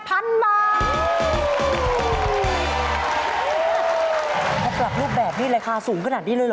ถ้าปรับรูปแบบนี้ราคาสูงขนาดนี้เลยเหรอ